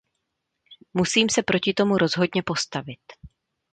Musím se proti tomu rozhodně postavit.